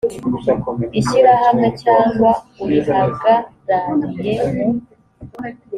ishyirahamwe cyangwa urihagarariye mu